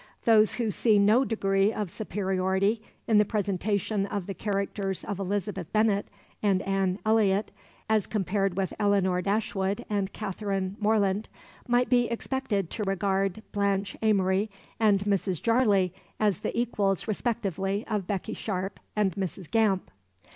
Those who see no degree of superiority in the presentation of the characters of Elizabeth Bennet and Anne Elliot as compared with Elinor Dashwood and Catherine Morland might be expected to regard Blanche Amory and Mrs. Jarley as the equals respectively of Becky Sharp and Mrs. Gamp.